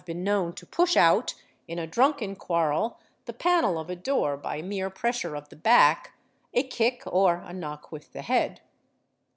been known to push out, in a drunken quarrel, the panel of a door by a "mere pressure of the back, a kick, or a knock with the head.